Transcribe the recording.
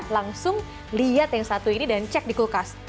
langsung lihat yang satu ini dan cek di kulkas